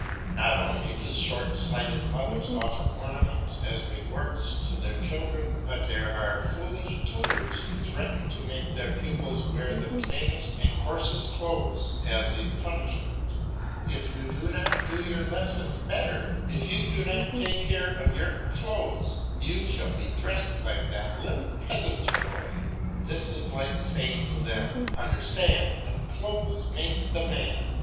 Not only do short sighted mothers offer ornaments as rewards to their children, but there are foolish tutors who threaten to make their pupils wear the plainest and coarsest clothes as a punishment. "If you do not do your lessons better, if you do not take more care of your clothes, you shall be dressed like that little peasant boy." This is like saying to them, "Understand that clothes make the man."